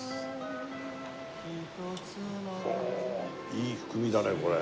おおいい含みだねこれ。